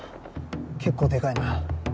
結構でかいな。